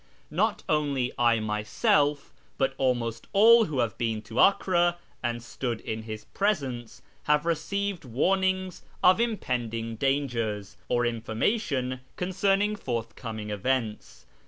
Not only I myself, but almost all who have been at Acre, and stood in his presence, have received warnings of impending dangers, or information concerning forthcoming events.